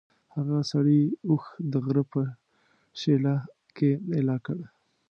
هغه سړي اوښ د غره په شېله کې ایله کړ.